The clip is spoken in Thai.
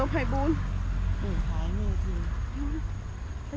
ไปเร็วไฟบูน